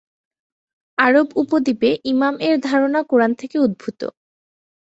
আরব উপদ্বীপে ইমাম এর ধারণা কোরআন থেকে উদ্ভূত।